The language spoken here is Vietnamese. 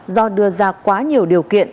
do đưa ra quá nhiều điều kiện